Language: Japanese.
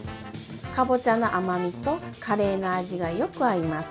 かぼちゃの甘みとカレーの味がよく合います。